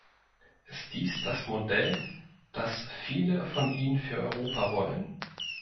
Ist dies das Modell, das viele von Ihnen für Europa wollen?